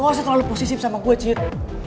lo gak usah terlalu posisif sama gue cit